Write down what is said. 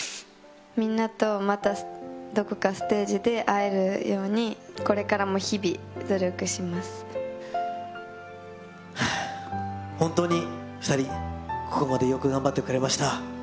みんなとまたどこかステージで会えるように、これからも日々、本当に２人、ここまでよく頑張ってくれました。